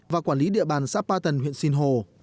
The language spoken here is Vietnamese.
và quản lý địa bàn xã ba tần huyện sinh hồ